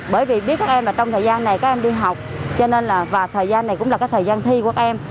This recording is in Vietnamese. bởi vì biết các em trong thời gian này các em đi học và thời gian này cũng là thời gian thi của các em